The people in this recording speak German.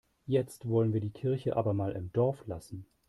Jetzt wollen wir die Kirche aber mal im Dorf lassen.